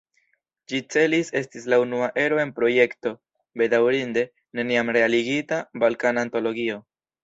Ĝi celis esti la unua ero en projekto, bedaŭrinde, neniam realigita: "Balkana Antologio".